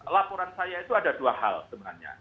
laporan saya itu ada dua hal sebenarnya